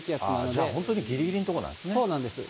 じゃあ、本当にぎりぎりのとこなんですね。